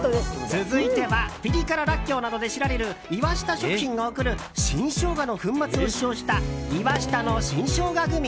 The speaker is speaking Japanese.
続いてはピリ辛らっきょうなどで知られる岩下食品が送る新ショウガの粉末を使用した岩下の新生姜グミ。